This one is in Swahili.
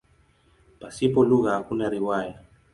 Pasipo lugha hakuna riwaya.